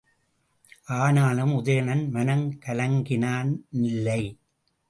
ஆனாலும் உதயணன் மனங் கலங்கினானில்லை.